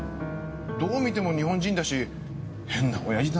どう見ても日本人だし変なオヤジだなって。